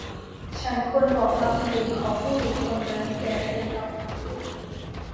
ฉันควรบอกบางสิ่งของผู้หญิงคนนั้นแก่เธอตอนนี้